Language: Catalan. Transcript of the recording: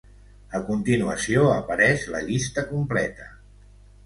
A continuació apareix la llista completa.